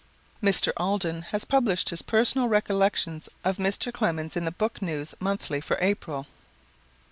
Mr. Alden has published his personal recollections of Mr. Clemens in The Book News Monthly for April.